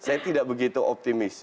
saya tidak begitu optimis